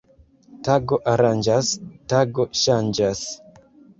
Tago aranĝas, tago ŝanĝas.